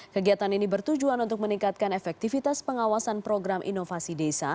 kegiatan ini bertujuan untuk meningkatkan efektivitas pengawasan program inovasi desa